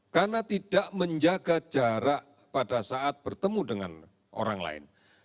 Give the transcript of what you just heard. karena tidak menjaga jarak pada saat bertemu dengan orang lain